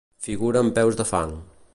Figura amb peus de fang.